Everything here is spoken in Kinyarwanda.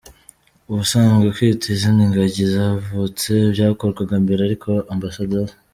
Ubusanzwe kwita izina ingagi zavutse byakorwaga mbere, ariko Amb.